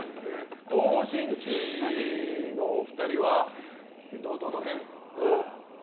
東方神起のお二人は、どの辺を？